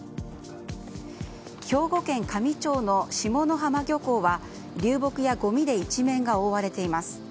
兵庫県香美町の下浜漁港は流木やごみで一面が覆われています。